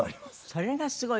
それがすごい。